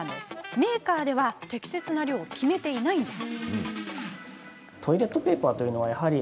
メーカーは適切な量を決めていないんです。